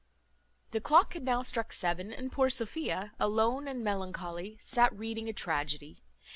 The clock had now struck seven, and poor Sophia, alone and melancholy, sat reading a tragedy.